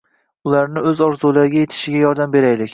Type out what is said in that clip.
Ularni o`z orzulariga etishiga yordam beraylik